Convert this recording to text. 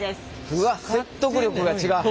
うわ説得力が違うね。